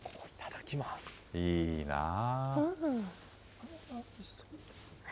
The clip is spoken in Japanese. いいなぁ。